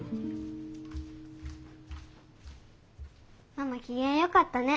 ママ機嫌よかったね。